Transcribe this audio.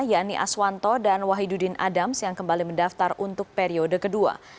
yani aswanto dan wahidudin adams yang kembali mendaftar untuk periode kedua